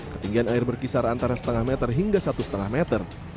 ketinggian air berkisar antara setengah meter hingga satu lima meter